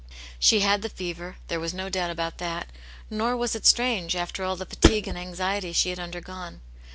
She had the fever, there was no doubt about that, nor was it strange, after all the fatigue and anxiety she had undergone.